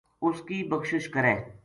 اس کی بخشش کرے